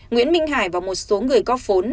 nguyễn minh hải và một số người góp vốn